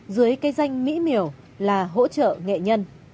dưới cái danh mỹ miểu là hỗ trợ nghệ nhân